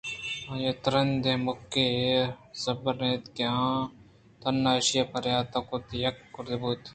آئی ءَترٛندیں مُکے زَبرّ اِت تاں ایشی ءَ پریات کُتءُیک کِرّ ءَبوت